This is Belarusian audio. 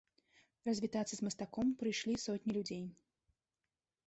Развітацца з мастаком прыйшлі сотні людзей.